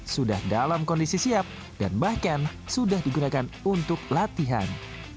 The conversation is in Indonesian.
sudah dalam kondisi siap dan bahkan sudah digunakan untuk latihan